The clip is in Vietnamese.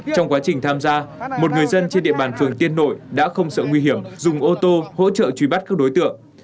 trong quá trình tham gia một người dân trên địa bàn phường tiên nội đã không sợ nguy hiểm dùng ô tô hỗ trợ truy bắt các đối tượng